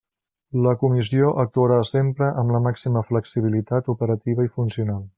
La Comissió actuarà sempre amb la màxima flexibilitat operativa i funcional.